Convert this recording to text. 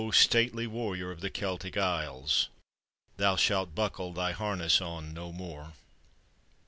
stately warrior of the Keltic Isles ! Thou shall buckle thy harness on no more!